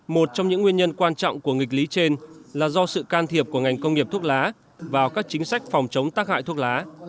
một trong những nguyên nhân quan trọng của nghịch lý trên là do sự can thiệp của ngành công nghiệp thuốc lá vào các chính sách phòng chống tác hại thuốc lá